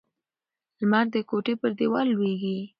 لمر د کوټې پر دیوال لوېږي.